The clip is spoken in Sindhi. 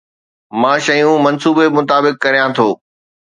مان شيون منصوبي مطابق ڪريان ٿو